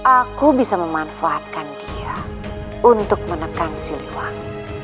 aku bisa memanfaatkan dia untuk menekan siu liwangi